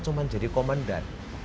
cuma jadi komandan